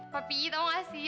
tapi tau gak sih